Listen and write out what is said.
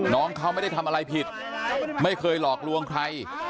น้องเขาไม่ได้ทำอะไรผิดไม่เคยหลอกลวงใคร